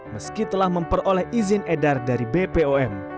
meski telah memperoleh izin edar dari bpom